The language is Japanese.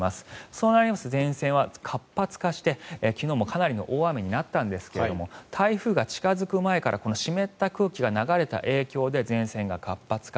そうなると前線は活発化して昨日も大雨になったんですが台風が近付く前から湿った空気が流れた影響で前線が活発化。